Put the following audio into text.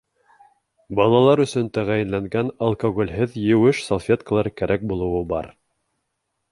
Балалар өсөн тәғәйенләнгән алкоголһеҙ еүеш салфеткалар кәрәк булыуы бар.